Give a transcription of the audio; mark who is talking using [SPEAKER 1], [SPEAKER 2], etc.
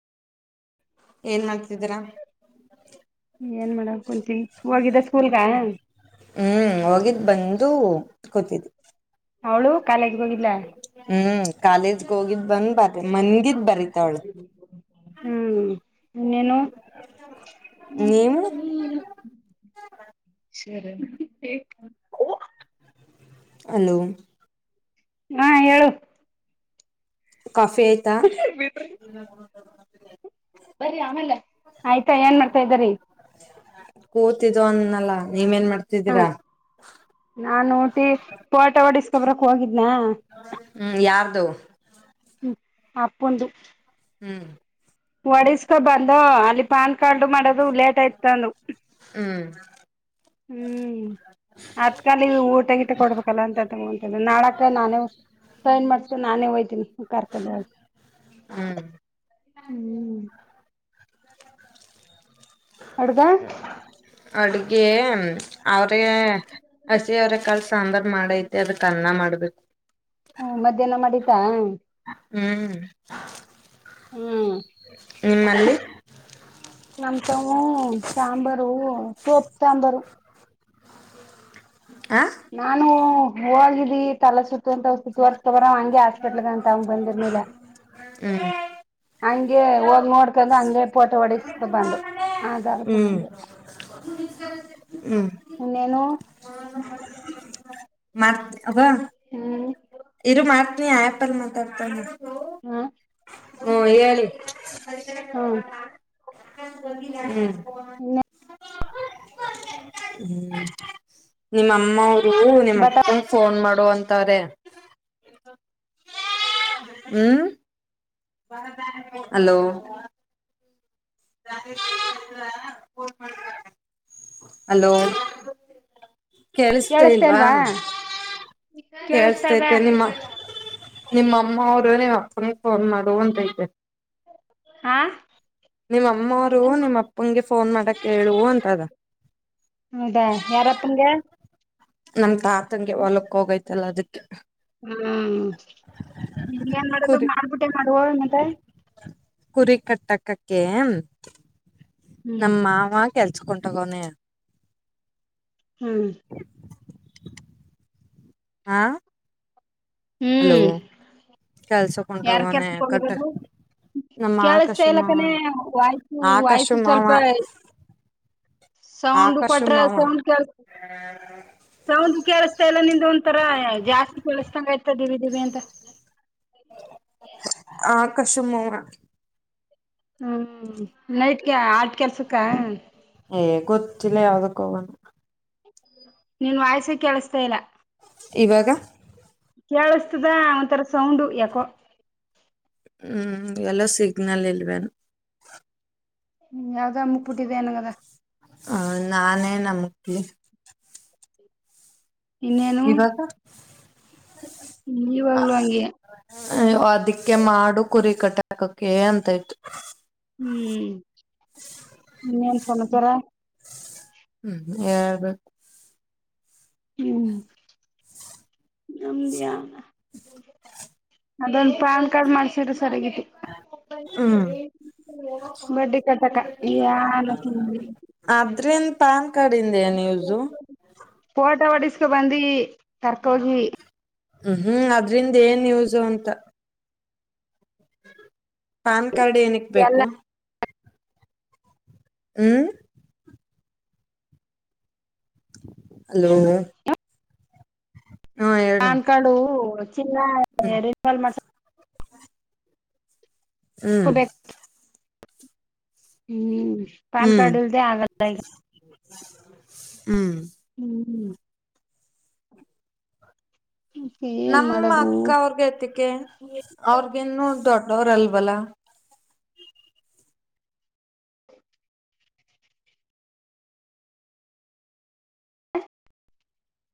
[SPEAKER 1] ಏನ್ ಮಾಡ್ತಿದೀರಾ
[SPEAKER 2] ಏನ್ ಮಾಡಾಕ ಕುಂತೀ ಹೋಗಿದ್ದಾ ಸ್ಕೂಲ್ ಗಾ
[SPEAKER 1] ಹುಂ ಹೋಗಿದ್ದ್ ಬಂದು ಕೂತಿದ್ದ್.
[SPEAKER 2] ಅವಳು ಕಾಲೇಜ್ ಗ ಹೋಗಿದ್ದಲಾ
[SPEAKER 1] ಹ್ಮ್ ಕಾಲೇಜ್ ಗೆ ಹೋಗಿದ್ ಬಂದ್ದಿದ
[SPEAKER 2] ಹುಂ ಇನ್ನೇನು
[SPEAKER 1] ನೀವು
[SPEAKER 2] [unintelligible] ಸರಿ [unintelligible]
[SPEAKER 1] ಅಲೋ
[SPEAKER 2] ಹಾ ಹೇಳು
[SPEAKER 1] ಕಾಫಿ ಆಯ್ತಾ
[SPEAKER 2] ಬರಿ ಆಮೇಲ್ಲ ಆಯ್ತಾ ಏನ್ ಮಾಡ್ತಾ ಇದ್ದೀರಿ.
[SPEAKER 1] ಕೂತಿದು ಅಂದನಲಾ ನೀವ್ ಏನ್ ಮಾಡ್ತಾ
[SPEAKER 2] ಹಾ ನಾ ಟಿ ಫೋಟೋ ಹೊಡಿಸಕೊಬ್ರಕ್ ಹೋಗಿದ್ನಾ
[SPEAKER 1] ಹು ಯಾರ್ದು
[SPEAKER 2] ಅಪ್ಪದು
[SPEAKER 1] ಹುಂ
[SPEAKER 2] ಹೊಡಸ್ಕೊ ಬಂದು ಅಲ್ಲಿ ಪಾನ್ ಕಾರ್ಡ್ ಮಾಡೋದು ಲೇಟ್ ಆಯ್ತ ಅದು
[SPEAKER 1] ಹುಂ
[SPEAKER 2] ಹುಂ ಅತ್ಕಾಲ ಊಟಗಿಟಾ ಕೊಡ್ಬೇಕಲ್ಲ ಅಂತ ತಗೊಂತ ನಾಳಕ ನಾನೇ ಸ ಏನ್ ಮಾಡ್ತೇ ನಾನೇ ಹೋತ್ತಿನಿ ಕಾರಕೋಂಡ್ ಹೋಗ
[SPEAKER 1] ಹುಂ
[SPEAKER 2] ಹುಂ ಅಡ್ಗ
[SPEAKER 1] ಅಡಗೆ ಹಸಿ ಅವ್ರೇ ಹಸಿ ಅವ್ರೇ ಕಳ್ಸ ಸಾಂಬಾರ್ ಮಾಡೈತಿ ಅದಕ ಅನ್ನಾ ಮಾಡ್ಬೇಕು
[SPEAKER 2] ಹುಂ ಮಧ್ಯಾಹ್ನ ಮಾಡಿದಾ
[SPEAKER 1] ಹುಂ
[SPEAKER 2] ಹುಂ ನಮಟವು ಸಾಂಬಾರು ಸೋಪ್ ಸಾಂಬಾರು.
[SPEAKER 1] ಹಾ
[SPEAKER 2] ನಾನು ಹೋಗಿದ್ದೀ ತಲೆ ಸುತ್ತು ಅಂತ [unintelligible] ತೋರುಸ್ಕೊಂಡ್ ಬರ [unintelligible] ಹಾಸ್ಪಿಟ್ಲ್ಗ ಅಂತ ಅವ ಬಂದಿರ್ನಲ.
[SPEAKER 1] ಹ್ಮ್
[SPEAKER 2] ಹಂಗೆ ಹೋಗ್ ನೋಡ್ಕೊಂಡ ಹಂಗೇ ಪೋಟೋ ಹೊಡಸ್ಕೊ ಬಂದು. ಆಧಾರಕ್ಕೆ
[SPEAKER 1] ಹ್ಮ್
[SPEAKER 2] ಬಂದು
[SPEAKER 1] ಹ್ಮ್
[SPEAKER 2] ಇನ್ನೇನು.
[SPEAKER 1] [unintelligible] ಅವ್ವ.
[SPEAKER 2] ಹ್ಮ್
[SPEAKER 1] ಇರು ಮಾಡ್ತನಿ [unintelligible] ಮಾತಾಡ್ತ.
[SPEAKER 2] ಹಾ
[SPEAKER 1] ಹ್ಮ ಹೇಳಿ
[SPEAKER 2] ಹ್ಮ್
[SPEAKER 1] ಹ್ಮ್.
[SPEAKER 2] ಇನ್ನೇ
[SPEAKER 1] ಹ್ಮ್ ನಿಮ್ಮಮ್ಮವರುಗ ನಿಮ್ಮ
[SPEAKER 2] ಬಟ
[SPEAKER 1] ಅಪ್ಪ ಫೋನ್ ಮಾಡು ಅಂತಾರೆ ಹ್ಮ್. ಹಲೋ ಹಲೋ ಕೇೇಳಸ್ತೇ ಇಲ್ವಾ
[SPEAKER 2] ಕೇಳಿಸ್ತದ
[SPEAKER 1] ಕೇಳ್ಸ್ತತೆ ನಿಮ್ಮ ನಿಮ್ಮ ಅಮ್ಮ ಅವರು ನೀವು ಅಪ್ಪನ ಫೋನ್ ಮಾಡುವ ಅಂತೈತೆ.
[SPEAKER 2] ಹಾ
[SPEAKER 1] ನಿಮ್ಮಮ್ಮವರು ನಿಮ್ಮ ಅಪ್ಪನಗೆ ಫೋನ್ ಮಾಡಕ್ ಹೇಳುವ ಅಂತದ.
[SPEAKER 2] ಹೌದೇ ಯಾರಪ್ಪನ್ಗೆ.
[SPEAKER 1] ನಮ್ ತಾತಂಗೆ ಹೊಲಕ್ಕ ಹೋಗೈತಲ್ಲ ಅದಕ್ಕೆ.
[SPEAKER 2] ಹ್ಮ್ [unintelligible] ಏನ್ ಮಾಡುದು
[SPEAKER 1] ಕುರಿ
[SPEAKER 2] ಮಾಡ್ಬಿಟ್ಟೆ ಮಾಡುವ ಮತ್ತ.
[SPEAKER 1] ಕುರಿ ಕಟ್ಟಾಕಕ್ಕೆ
[SPEAKER 2] ಹ್ಮ್
[SPEAKER 1] ನಮ್ಮ ಮಾವ ಕೆಲ್ಸಕೊಂಡಂಟಗೋನೇ
[SPEAKER 2] ಹ್ಮ್
[SPEAKER 1] ಹಾ ಅಲೋ
[SPEAKER 2] ಹ್ಮ್ ಯಾರ್
[SPEAKER 1] ಕೆಲ್ಸಕ್ಕಂಟೋಗಣೆ
[SPEAKER 2] ಕೆಲ್ಸಕ್
[SPEAKER 1] ಕಟ್ಟ
[SPEAKER 2] ಹೋಗಿರೋದು
[SPEAKER 1] ನಮ್ಮ
[SPEAKER 2] ಕೇಳಸ್ತಾ ಇಲ್ಲ
[SPEAKER 1] ಆಕಾಶಮ
[SPEAKER 2] ಕಣೆ ವಾಯ್ಸು
[SPEAKER 1] ಆಕಾಶ
[SPEAKER 2] ವಾಯ್ಸು ಸ್ವಲ್ಪ
[SPEAKER 1] ಮಾವಾ.
[SPEAKER 2] ಸೌಂಡ್
[SPEAKER 1] ಆಕರ್ಷ
[SPEAKER 2] ಕೊಟ್ರ
[SPEAKER 1] ಮಾವಾ.
[SPEAKER 2] ಸೌದ ಕೇಳಸ್ತಾ ಇಲ್ಲ ನಿಂದ ಅನಂತರ ಜಾಸ್ತಿ ಕೇಳಸ್ತಂಗ ಆಯ್ತ ದಿವಿ ದಿವಿ ಅಂತ. [unintelligible]
[SPEAKER 1] ಆಕಾಶು ಮಾಮಾ.
[SPEAKER 2] ಹ್ಮ್ ನೈಟ್ಗೆ ಆಟ ಕೆಲ್ಸಕ್ಕಾ.
[SPEAKER 1] ಏ ಗೊತ್ತಿಲ್ಲ ಯಾವ್ದಕ್ ಹೋಗನಾ.
[SPEAKER 2] ನೀನ್ ವಾಯ್ಸ ಕೇಳಿಸತಾ ಇಲ್ಲ.
[SPEAKER 1] ಇವಾಗ
[SPEAKER 2] ಕೇಳಸ್ತದ ಒಂಥರ ಸೌಂಡ್ ಯಾಕೋ.
[SPEAKER 1] ಹ್ಮ್ ಎಲ್ಲೋ ಸಿಗ್ನಲ್ ಇಲ್ವೇನೊ.
[SPEAKER 2] ಹ ಯಾವ್ದದ ಅಮುಕ್ಬಿಟ್ಟಿದೆ ಅನಂಗದ.
[SPEAKER 1] ಹ ನಾನೇ ಅಮುಕ್ಲಿ.
[SPEAKER 2] ಇನ್ನೇನು
[SPEAKER 1] ಇವಾಗ
[SPEAKER 2] ಇವಾಗ್ಲೂ ಹಾಂಗೆಯ.
[SPEAKER 1] [unintelligible] ಅದಕ್ಕೆ ಮಾಡು ಕುರಿ ಕಟ್ಟಾಕಕ ಅಂತಯ್ತು.
[SPEAKER 2] ಹ್ಮ್ ಇನ್ನೇನ್ ಸಮಾಚಾರ.
[SPEAKER 1] ಹ್ಮ್ ಹೇಳ್ಬೇಕು.
[SPEAKER 2] ನಮ್ದಿಯ ಅದೊಂದು ಪ್ಯಾನ್ ಕಾರ್ಡ್ ಮಾಡ್ಸಿದ್ರೆ ಸರಿಯಾಗಿತ್ತು.
[SPEAKER 1] ಹ್ಮ್
[SPEAKER 2] [inaudible] ಮಡ್ಡಿ ಕಟಕಾಗ್ತಿಲ್ಲ
[SPEAKER 1] ಅದ್ರಿಂದ ಪಾನ್ ಕಾರ್ಡಿಂದ ಏನ್ ಯೂಸು.
[SPEAKER 2] ಫೋಟ ಓಡಿಸ್ಕೊ ಬಂದಿವಿ ಕರ್ಕೋಗಿ.
[SPEAKER 1] ಹ್ಮ್ ಹ್ಮ್ ಅದ್ರಿಂದ ಏನ್ ಯೂಸು ಅಂತ. ಪಾನ್ ಕಾರ್ಡ್ ಏನಿಕ್
[SPEAKER 2] ಎಲ್ಲ
[SPEAKER 1] ಬೇಕು. ಹ್ಮ್. ಹಲೋ. ಹಾ ಹೇಳ
[SPEAKER 2] ಪಾನ್ ಕಾರ್ಡು ಚಿನ್ನ
[SPEAKER 1] ಹ್ಮ್
[SPEAKER 2] ಮತ್ತೆ ರಿನೀವಲ್ ಮಾಡ್ಸಕ್.
[SPEAKER 1] ಹ್ಮ್
[SPEAKER 2] [unintelligible] ಹ್ಮ್. ಪಾನ್
[SPEAKER 1] ಹ್ಮ್
[SPEAKER 2] ಕಾರ್ಡ್ ಇಲ್ದೆ ಆಗಲ್ಲ ಈಗ
[SPEAKER 1] [inaudible] ಹ್ಮ್.
[SPEAKER 2] ಹ್ಮ್. ಹ್ಮ್.
[SPEAKER 1] ನಮ್ಮಕ್ಕವ್ರ್ಗೆತಿಕೆ ಅವರ್ಗಿನ್ನು ದೊಡ್ಡವ್ರಲ್ವಲ್ಲಾ.